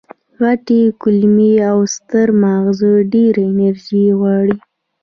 غټې کولمې او ستر ماغز ډېره انرژي غواړي.